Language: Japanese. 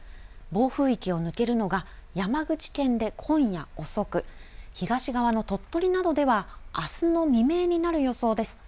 暴風域を抜けるのが山口県で今夜遅く、東側の鳥取などでは、あすの未明になる予想です。